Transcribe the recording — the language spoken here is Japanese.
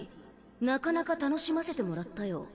なかなか楽しませてもらったよ